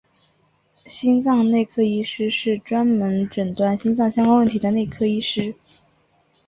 心脏内科医师是专门诊断心脏相关问题的内科医师。